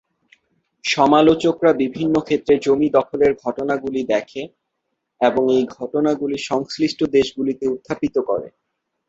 সমালোচকরা বিভিন্ন ক্ষেত্রে জমি দখলের ঘটনাগুলি দেখে এবং এই ঘটনাগুলি সংশ্লিষ্ট দেশগুলিতে উত্থাপিত করে।